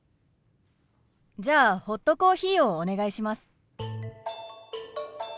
じゃあホットコーヒーをお願いします。